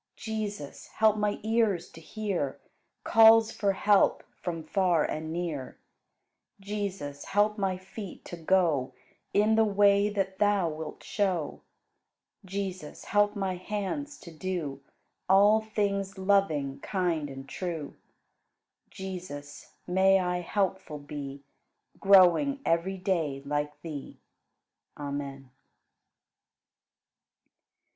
Jesus, help my ears to hear Calls for help from far and near. Jesus, help my feet to go In the way that Thou wilt show. Jesus, help my hands to do All things loving, kind, and true. Jesus, may I helpful be, Growing every day like Thee. Amen.